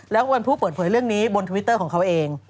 แล้วก็เป็นผู้เปิดเผยเรื่องนี้บนทวิตเตอร์ของเขาเอง